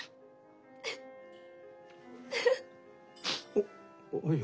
おっおい